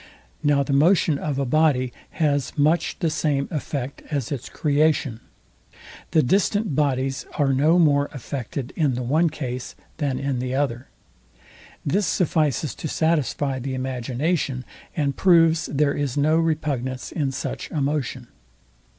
Now the motion of a body has much the same effect as its creation. The distant bodies are no more affected in the one case, than in the other. This suffices to satisfy the imagination, and proves there is no repugnance in such a motion.